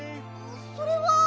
それは。